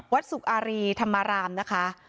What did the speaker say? สุกอารีธรรมารามนะคะ